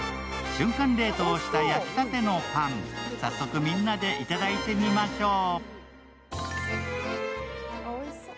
瞬間冷凍した焼きたてのパン、早速みんなでいただいてみましょう。